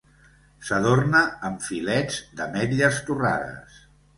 S'adorna amb filets d'ametlles torrades.